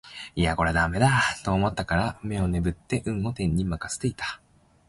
いやこれは駄目だと思ったから眼をねぶって運を天に任せていた